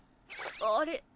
あれ？